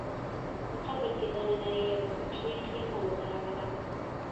په قبر کي دننه يې يوه کوچنۍ خېمه ودروله